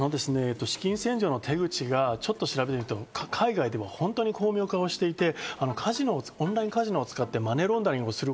資金洗浄も手口が、ちょっと調べると海外で巧妙化していて、オンラインカジノを使ってマネーロンダリングをする。